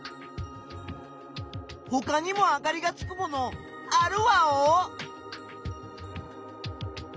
ほかにもあかりがつくものあるワオ？